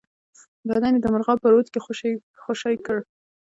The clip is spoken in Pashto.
بدن یې د مرغاب په رود کې خوشی کړ.